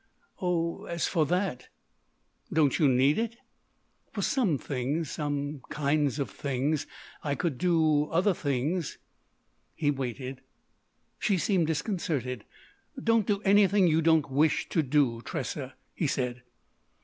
"Oh—as for that——" "Don't you need it?" "For some things—some kinds of things.... I could do—other things——" He waited. She seemed disconcerted. "Don't do anything you don't wish to do, Tressa," he said.